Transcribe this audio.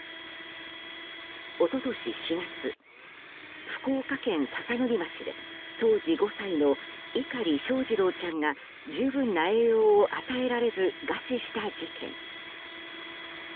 一昨年４月、福岡県篠栗町で当時５歳の碇翔士郎ちゃんが十分な栄養を与えられず餓死した事件。